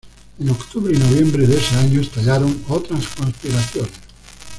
En octubre y noviembre de ese año estallaron otras conspiraciones.